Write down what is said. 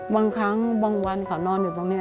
บางครั้งบางวันเขานอนอยู่ตรงนี้